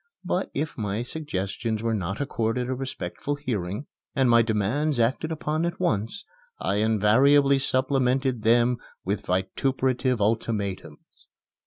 But, if my suggestions were not accorded a respectful hearing, and my demands acted upon at once, I invariably supplemented them with vituperative ultimatums.